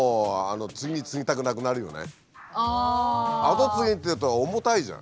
「後継ぎ」っていうと重たいじゃん。